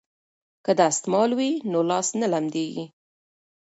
که دستمال وي نو لاس نه لمدیږي.